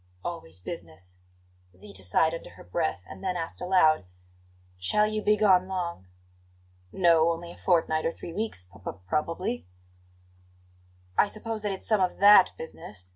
"Always business!" Zita sighed under her breath; and then asked aloud: "Shall you be gone long?" "No; only a fortnight or three weeks, p p probably." "I suppose it's some of THAT business?"